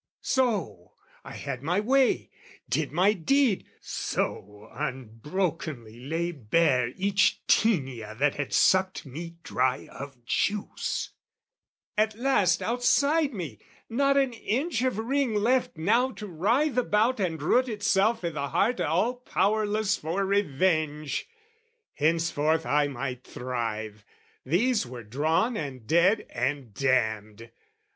So, I had my way, Did my deed: so, unbrokenly lay bare Each tAenia that had sucked me dry of juice, At last outside me, not an inch of ring Left now to writhe about and root itself I' the heart all powerless for revenge! Henceforth I might thrive: these were drawn and dead and damned.